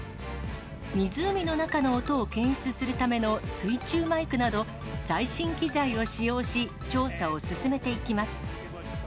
湖の中の音を検出するための水中マイクなど、最新機材を使用し、調査を進めていきます。